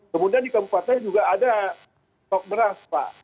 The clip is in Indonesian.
kemudian di kabupaten juga ada stok beras pak